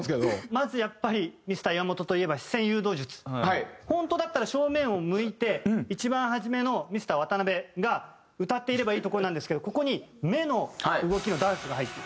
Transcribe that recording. まずやっぱり本当だったら正面を向いて一番初めのミスター渡辺が歌っていればいいところなんですけどここに目の動きのダンスが入って。